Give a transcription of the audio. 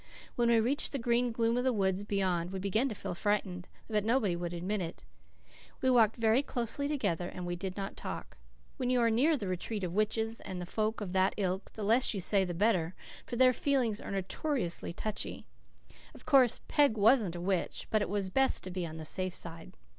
When we reached the green gloom of the woods beyond we began to feel frightened, but nobody would admit it. We walked very closely together, and we did not talk. When you are near the retreat of witches and folk of that ilk the less you say the better, for their feelings are so notoriously touchy. Of course, Peg wasn't a witch, but it was best to be on the safe side.